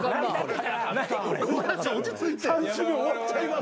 ３週目終わっちゃいます。